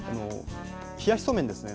冷やしそうめんですね